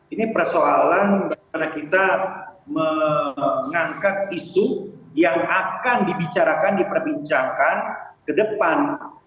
ini persoalan bagaimana kita mengangkat isu yang akan dibicarakan diperbincangkan ke depan